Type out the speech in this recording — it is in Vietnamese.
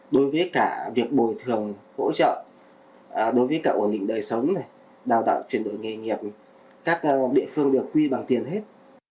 đối với cả việc bồi thường hỗ trợ đối với cả ổn định đời sống đào tạo chuyển đổi nghề nghiệp các địa phương được quy bằng tiền hết